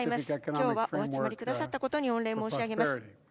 今日はお集まりくださったことに御礼申し上げます。